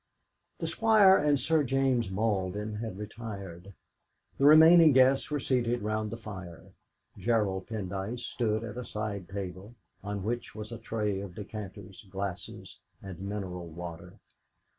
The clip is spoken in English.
The Squire and Sir James Malden had retired; the remaining guests were seated round the fire. Gerald Pendyce stood at a side table, on which was a tray of decanters, glasses, and mineral water.